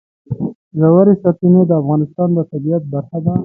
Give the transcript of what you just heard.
ژورې سرچینې د افغانستان د طبیعت برخه ده.